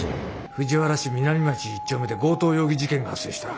藤原市南町１丁目で強盗容疑事件が発生した。